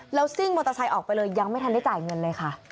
แล้วซิ่งมอเตอร์ไซค์ออกไปเลยยังไม่ทันได้จ่ายเงินเลยค่ะ